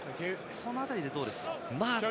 その辺り、どうですか。